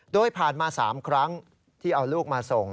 โดยผ่านมา๓ครั้งที่เอาลูกมาส่ง